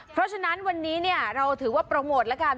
เพราะฉะนั้นวันนี้เราถือว่าโปรโมทแล้วกัน